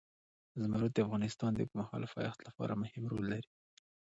زمرد د افغانستان د اوږدمهاله پایښت لپاره مهم رول لري.